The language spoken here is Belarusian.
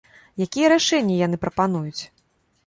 Якія рашэнні яны прапануюць?